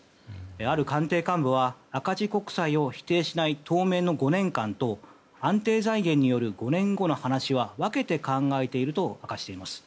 ある官邸幹部は赤字国債を否定しない当面の５年間と安定財源による５年後の話は分けて考えていると明かしています。